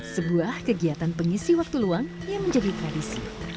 sebuah kegiatan pengisi waktu luang yang menjadi tradisi